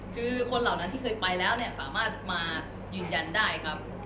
คือคนเหล่านั้นที่เคยไปแล้วเนี่ยสามารถมายืนยันได้ครับ